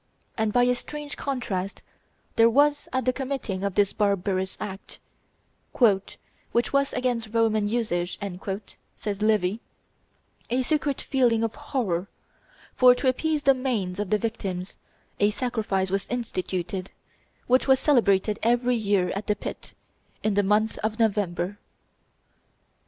And by a strange contrast, there was at the committing of this barbarous act, "which was against Roman usage," says Livy, a secret feeling of horror, for, to appease the manes of the victims, a sacrifice was instituted, which was celebrated every year at the pit, in the month of November.